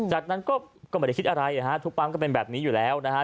จากนั้นก็ไม่ได้คิดอะไรนะฮะทุกปั๊มก็เป็นแบบนี้อยู่แล้วนะฮะ